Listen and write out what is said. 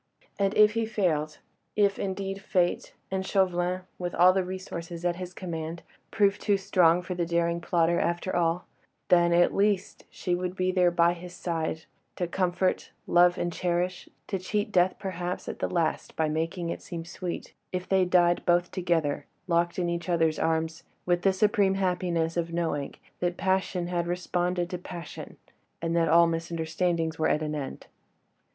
And if he failed—if indeed Fate, and Chauvelin, with all the resources at his command, proved too strong for the daring plotter after all—then at least she would be there by his side, to comfort, love and cherish, to cheat death perhaps at the last by making it seem sweet, if they died both together, locked in each other's arms, with the supreme happiness of knowing that passion had responded to passion, and that all misunderstandings were at an end.